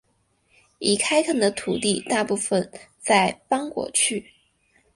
已开垦的土地大部分在邦果区。